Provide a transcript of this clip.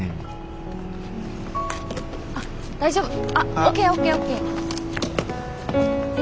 あっ大丈夫。